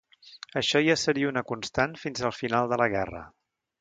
Això ja seria una constant fins al final de la guerra.